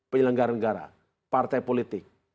penyelenggara negara partai politik